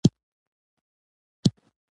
د اور سوی په اور رغیږی.